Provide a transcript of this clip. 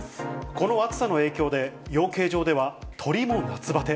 この暑さの影響で、養鶏場では、鶏も夏ばて。